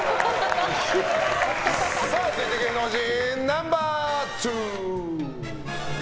続いて芸能人ナンバー２。